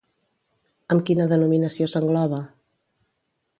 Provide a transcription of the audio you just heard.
Amb quina denominació s'engloba?